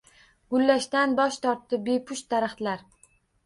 Gullashdan bosh tortdi bepusht daraxtlar